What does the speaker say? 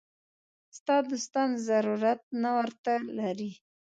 ستا دوستان ضرورت نه ورته لري.